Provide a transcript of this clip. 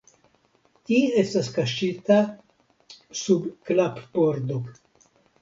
Ĝi estas kaŝita sub klappordo.